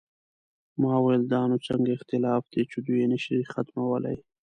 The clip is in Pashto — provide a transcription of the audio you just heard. ما وویل: دا نو څنګه اختلافات دي چې دوی یې نه شي ختمولی؟